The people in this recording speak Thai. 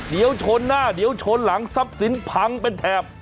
เดี๋ยวชนหน้าเดี๋ยวชนหลังทรัพย์สินพังเป็นแถบ